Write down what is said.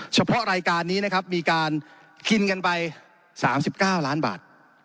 เฉพาะรายการนี้นะครับมีการกินกันไป๓๙ล้านบาท